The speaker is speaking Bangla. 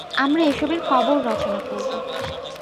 আমরা এসবের কবর রচনা করব।